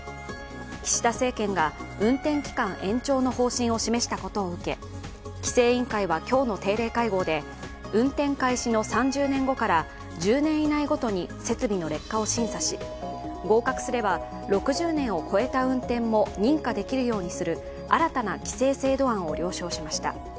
岸田政権が運転期間延長の方針を示したことを受け規制委員会は今日の定例会合で、運転開始の３０年後から１０年以内ごとに設備の劣化を審査し合格すれば６０年を超えた運転も認可できるようにする新たな規制制度案を了承しました。